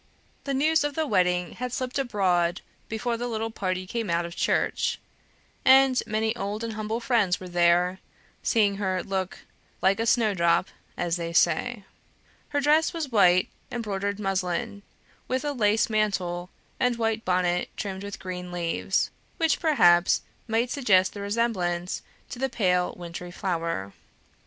The news of the wedding had slipt abroad before the little party came out of church, and many old and humble friends were there, seeing her look "like a snow drop," as they say. Her dress was white embroidered muslin, with a lace mantle, and white bonnet trimmed with green leaves, which perhaps might suggest the resemblance to the pale wintry flower. Mr.